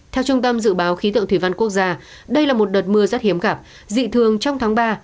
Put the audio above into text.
theo trung tâm dự báo khí tượng thủy văn quốc gia đây là một đợt mưa rất hiếm gặp dị thường trong tháng ba